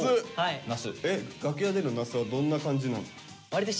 楽屋での那須はどんな感じなの？